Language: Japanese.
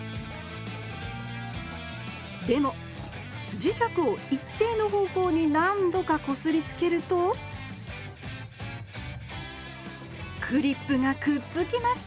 でも磁石を一定の方向に何度かこすりつけるとクリップがくっつきました。